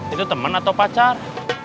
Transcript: itu temen atau pacar